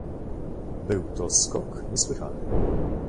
"Był to skok niesłychany."